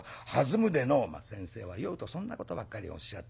「先生は酔うとそんなことばっかりおっしゃって。